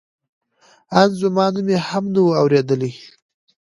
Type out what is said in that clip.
ان زما نوم یې هم نه و اورېدلی.